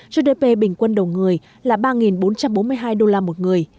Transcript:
gdp bình quân đầu người là ba bốn trăm bốn mươi hai đô la một người